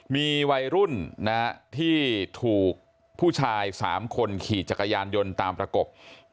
มีวัยรุ่นที่ถูกผู้ชาย๓คนขี่จักรยานยนต์ตามประกบ